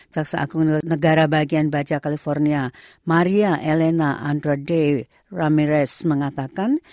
caksa akun negara bagian baja california maria elena andrade ramirez mengatakan